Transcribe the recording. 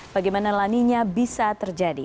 bagaimana lani nari bisa terjadi